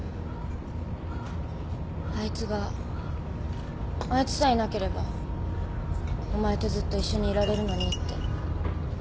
あいつがあいつさえいなければお前とずっと一緒にいられるのにって。